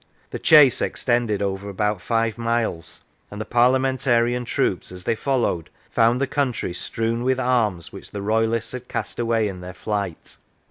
The chase extended over about five miles, and the Parliamentarian troops, as they followed, found the country strewn with arms which the Royalists had cast away in their flight.